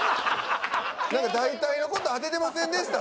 なんか大体の事当ててませんでした？